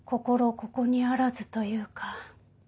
ここにあらずというか。